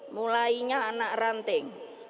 mulainya anak ranting